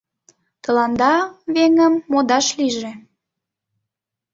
Тыланда, веҥым, модаш лийже.